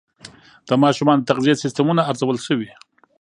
د ماشومانو د تغذیې سیستمونه ارزول شوي.